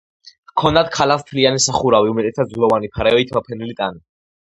ჰქონდათ ქალას მთლიანი სახურავი, უმეტესად ძვლოვანი ფარებით მოფენილი ტანი.